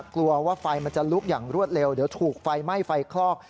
กลัวว่าไฟมันจะลุกอย่างรวดเร็วเดี๋ยวถูกไฟไหม้ไฟคลอก